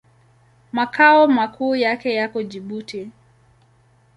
Makao makuu yake yako Jibuti.